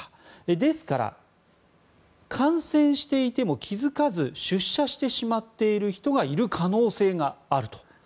ですから感染していても気付かず出社してしまっている人がいる可能性があると。